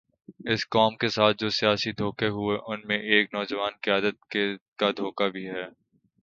اس قوم کے ساتھ جو سیاسی دھوکے ہوئے، ان میں ایک نوجوان قیادت کا دھوکہ بھی ہے۔